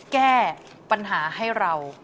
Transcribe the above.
แก้ปัญหาให้เรา